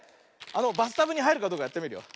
あのバスタブにはいるかどうかやってみるよ。